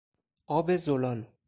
آب زلال